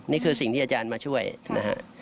นี่คือสิ่งที่อาจารย์มาช่วยนะฮะ